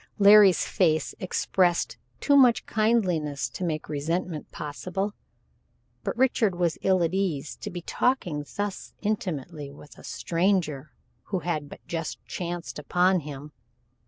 Larry's face expressed too much kindliness to make resentment possible, but Richard was ill at ease to be talking thus intimately with a stranger who had but just chanced upon him.